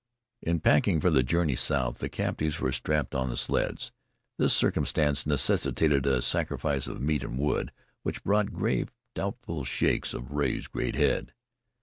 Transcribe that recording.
In packing for the journey south, the captives were strapped on the sleds. This circumstance necessitated a sacrifice of meat and wood, which brought grave, doubtful shakes of Rea's great head.